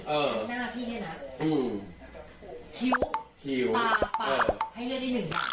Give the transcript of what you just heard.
หน้าพี่นี่นะคิ้วตาปากให้เลือดอีกหนึ่ง